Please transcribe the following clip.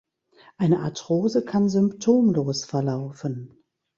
Eine Arthrose kann symptomlos verlaufen.